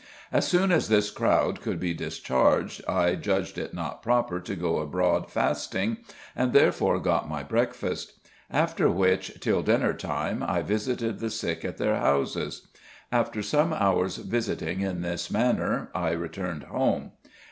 As soon as this crowd could be discharged, I judged it not proper to go abroad fasting, and therefore got my breakfast. After which, till dinner time, I visited the sick at their houses.... After some hours visiting in this manner I returned home.